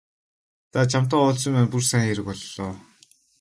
За чамтай уулзсан маань бүр сайн хэрэг боллоо.